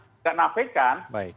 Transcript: tidak bisa kita kenafikan